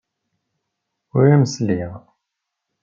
Ur am-sliɣ.